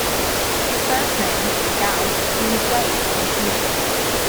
His first name, Gal, means "wave" in Hebrew.